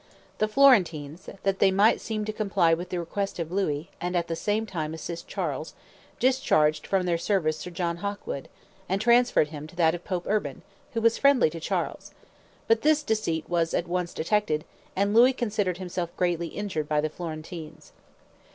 The Florentines, that they might seem to comply with the request of Louis, and at the same time assist Charles, discharged from their service Sir John Hawkwood, and transferred him to that of Pope Urban, who was friendly to Charles; but this deceit was at once detected, and Louis considered himself greatly injured by the Florentines.